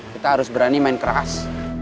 kita harus berani main keras